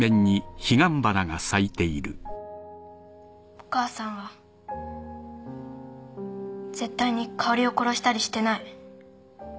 お母さんは絶対にかおりを殺したりしてない。